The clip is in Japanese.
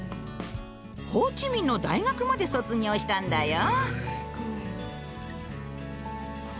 ホーチミンの大学まで卒業したんだよ。